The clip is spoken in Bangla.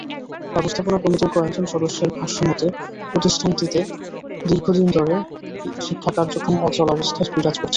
ব্যবস্থাপনা কমিটির কয়েকজন সদস্যের ভাষ্য মতে, প্রতিষ্ঠানটিতে দীর্ঘদিন ধরে শিক্ষাকার্যক্রমে অচলাবস্থা বিরাজ করছে।